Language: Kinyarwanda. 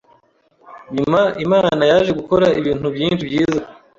Nyuma Imana yaje gukora ibintu byinshi byiza